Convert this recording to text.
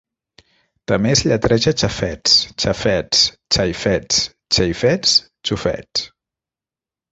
També es lletreja Chafets, Chaffetz, Chaifetz, Cheifetz, Chofets.